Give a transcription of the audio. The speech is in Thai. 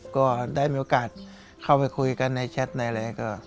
ก็ได้มีโอกาสเข้าไปคุยกันในแชทในอะไรก็